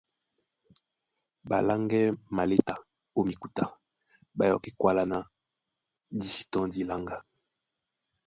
Ɓaláŋgɛ́ maléta ó mikuta ɓá yɔkí kwála ná di sí tɔ́ndi láŋga;